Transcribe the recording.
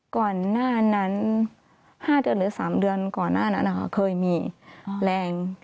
ก่อนหน้านั้น๕เดือนหรือ๓เดือนก่อนหน้านั้นเคยมีแรง